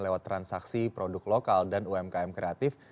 lewat transaksi produk lokal dan umkm kreatif